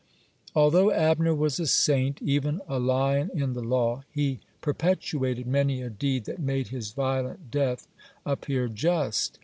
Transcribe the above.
(89) Although Abner was a saint, (90) even a "lion in the law," (91) he perpetrated many a deed that made his violent death appear just.